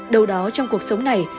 đâu đó trong cuộc sống này